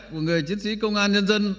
của người chiến sĩ công an nhân dân